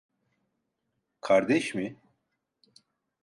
Kardeş mi?